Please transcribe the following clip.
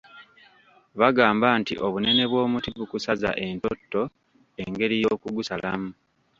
Bagamba nti obunene bw’omuti bukusaza entotto engeri y’okugusalamu.